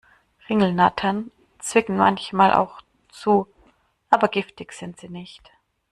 Ringelnattern zwicken manchmal auch zu, aber giftig sind sie nicht.